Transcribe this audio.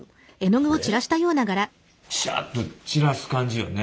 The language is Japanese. シャッと散らす感じよね。